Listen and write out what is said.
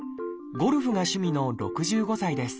ゴルフが趣味の６５歳です。